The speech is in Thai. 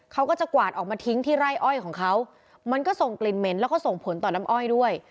เขาก็จะกวาดออกมาทิ้งที่ไร่อ้อยของเขามันก็ส่งกลิ่นเหม็นแล้วก็ส่งผลต่อน้ำอ้อยด้วย